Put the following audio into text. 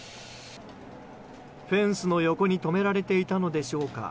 フェンスの横に止められていたのでしょうか。